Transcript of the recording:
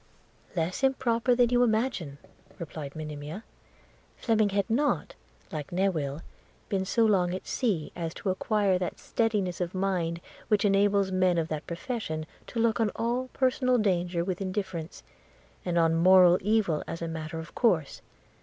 'Less improper than you imagine,' replied Monimia. 'Fleming had not, like Newill, been so long at sea as to acquire that steadiness of mind which enables men of that profession to look on all personal danger with indifference, and on moral evil as a matter of course.